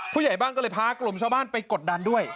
ผู้ใหญ่บ้านก็เลยพากลุ่มชาวบ้านไปกดดันด้วย